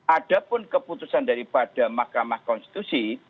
adapun keputusan daripada mahkamah konstitusi